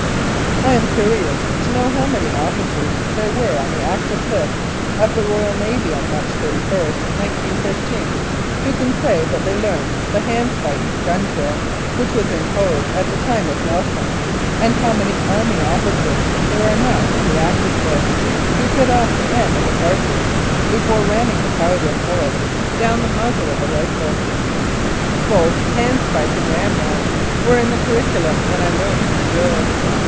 I am curious to know how many officers there were on the active list of the Royal Navy on March 31, 1915, who can say that they learned the handspike gun drill which was in vogue at the time of Nelson, and how many Army officers there are now on the active list who bit off the end of the cartridge before ramming the powder and bullet down the muzzle of the 66 1888 89. Lethbridge rifle. Both handspike and ramrods were in the curricu lum when I learned my drills.